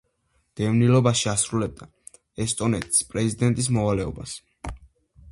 დევნილობაში ასრულებდა ესტონეთის პრეზიდენტის მოვალეობას.